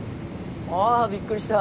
ああびっくりした。